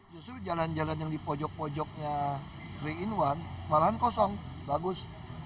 justru jalan jalan yang di pojok pojoknya tiga in satu malahan kosong bagus